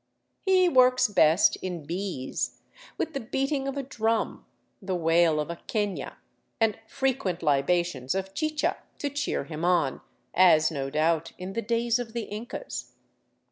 He works best in " bees,'* with the beating of a drum, the wail of a quena, and frequent libations of chicha to cheer him on, as, no doubt, in the days of the Incas.